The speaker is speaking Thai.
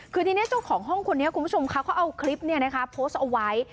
คือทีนี้เจ้าของห้องคนนี้คุณผู้ชมค่ะเขาเอาคลิปโพสต์เอาไว้